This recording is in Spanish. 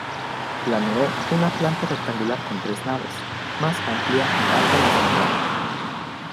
Planeó una planta rectangular con tres naves, más amplia y alta la central.